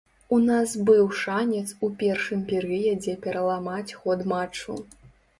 У нас быў шанец у першым перыядзе пераламаць ход матчу.